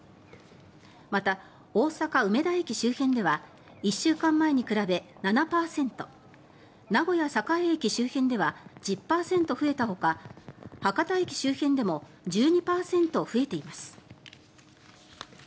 また、大阪・梅田駅周辺では１週間前に比べ７％名古屋・栄駅周辺では１０％増えたほか博多駅周辺でも１２％増えています。